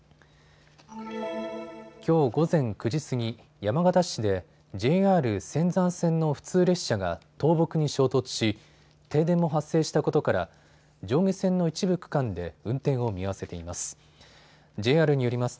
きょう午前９時過ぎ、山形市でＪＲ仙山線の普通列車が倒木に衝突し停電も発生したことから上下線の一部区間で運転を見合わせています。